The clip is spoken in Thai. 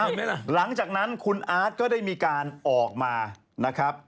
ไหมล่ะหลังจากนั้นคุณอาร์ตก็ได้มีการออกมานะครับ